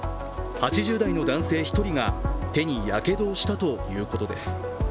８０代の男性１人が手にやけどをしたということです。